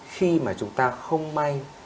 khi mà chúng ta không may